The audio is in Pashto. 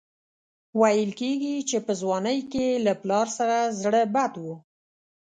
ویل کېږي چې په ځوانۍ کې یې له پلار سره زړه بد و.